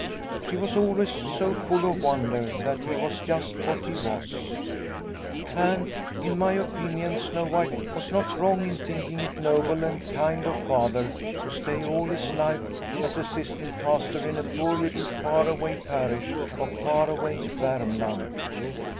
She was always so full of wonder that he was just what he was. " And, in my opinion, Snow White was not wrong in thinking it noble and kind of Father to stay all his life as assistant pastor in a poor little far away parish of far away Varmland.